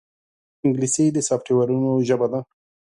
انګلیسي د سافټویرونو ژبه ده